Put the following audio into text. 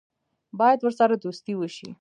باید ورسره دوستي وشي.